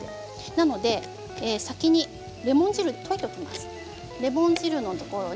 なので先にレモン汁に溶いておきます。